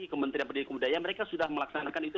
kementerian pendidikan kebudayaan mereka sudah melaksanakan itu